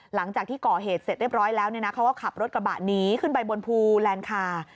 หลังจากที่ก่อเหตุเสร็จเรียบร้อยแล้วเขาก็ขับรถกระบะหนีขึ้นไปบนภูแลนดคา